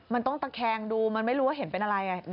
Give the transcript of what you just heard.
มันต้องตะแคงดูมันไม่รู้ว่าเห็นเป็นอะไร